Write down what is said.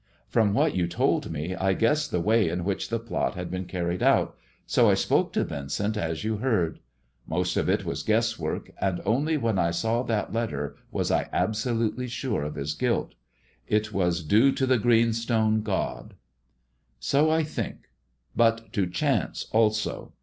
From what you told me I guessed the way in which the plot had been carried out, so I spoke to Vincent as you heard. Most of it was guesswork, and only when I saw that letter was I absolutely sure of his guilt. It was due to the green stone god." So I think, but to chance also.